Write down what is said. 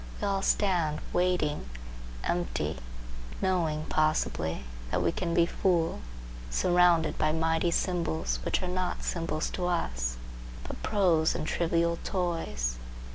We all stand waiting, empty,—knowing, possibly, that we can be full, surrounded by mighty symbols which are not symbols to us, but prose and trivial toys.